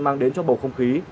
mang đến cho bầu không khí